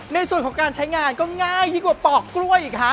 ในส่วนของการใช้งานก็ง่ายยิ่งกว่าปอกกล้วยอีกฮะ